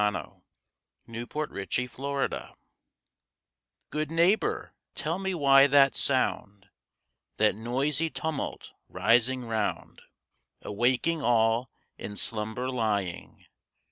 _ THE NEIGHBORS OF BETHLEHEM Good neighbor, tell me why that sound, That noisy tumult rising round, Awaking all in slumber lying?